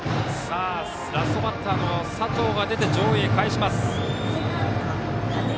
ラストバッター佐藤が出て上位へかえします。